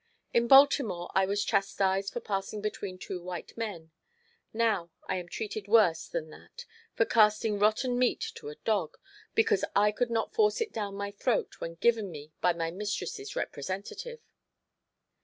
In Baltimore I was chastized for passing between two white men; now I am treated worse than that for casting rotten meat to a dog, because I could not force it down my throat when given me by my mistress' representative.